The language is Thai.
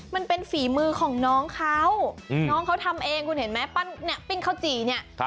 มันเป็นฝีมือของน้องเขาน้องเขาทำเองคุณเห็นไหมปั้นเนี่ยปิ้งข้าวจี่เนี่ย